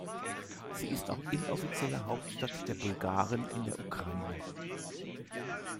Sie ist auch inoffizielle Hauptstadt der Bulgaren in der Ukraine.